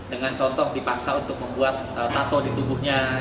dengan contoh dipaksa untuk membuat tato di tubuhnya